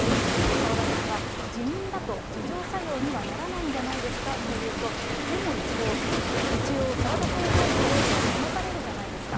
澤田さんは辞任だと自浄作用にはならないんじゃないですかと言うと、でも一応、澤田先生の名誉は保たれるじゃないですか。